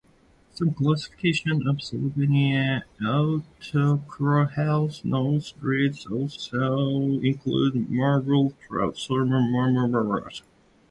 Some classifications of Slovenian autochthonous breeds also include marble trout ("Salmo marmoratus").